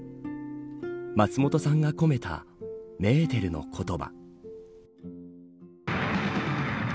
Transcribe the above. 松本さんが込めたメーテルの言葉。